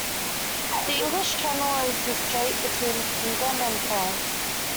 The English Channel is the strait between England and France.